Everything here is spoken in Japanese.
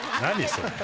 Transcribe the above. それ。